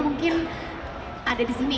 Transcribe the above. mungkin ada di sini